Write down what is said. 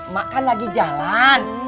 mak kan lagi jalan